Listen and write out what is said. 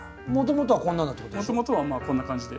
もともとはまあこんな感じで。